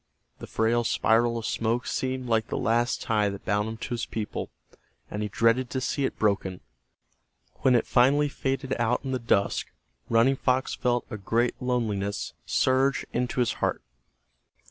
That frail spiral of smoke seemed like the last tie that bound him to his people, and he dreaded to see it broken. When it finally faded out in the dusk Running Fox felt a great loneliness surge into his heart.